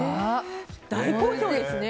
大好評ですね。